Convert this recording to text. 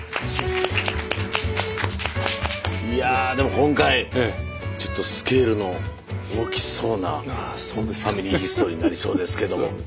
いやでも今回ちょっとスケールの大きそうな「ファミリーヒストリー」になりそうですけども。